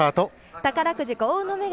宝くじ幸運の女神